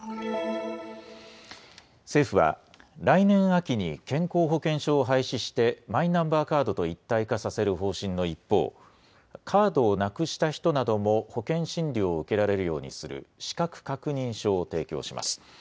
政府は来年秋に健康保険証を廃止してマイナンバーカードと一体化させる方針の一方、カードをなくした人なども保険診療を受けられるようにする資格確認書を提供します。